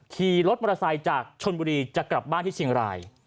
ขี่รถมอเตอร์ไซค์จากชนบุรีจะกลับบ้านที่เชียงราย